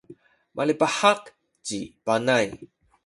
malipahak ci Panay.